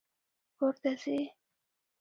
کور ته ځې!